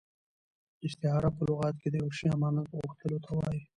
استعاره په لغت کښي د یوه شي امانت غوښتلو ته وايي.